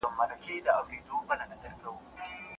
دوه شعرونه لیدلي دي.